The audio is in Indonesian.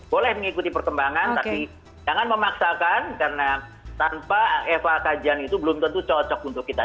boleh mengikuti perkembangan tapi jangan memaksakan karena tanpa eva kajian itu belum tentu cocok untuk kita